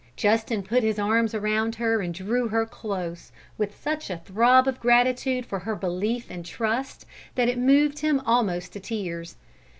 Justin put his arm around her and drew her close, with such a throb of gratitude for her belief and trust that it moved him almost to tears.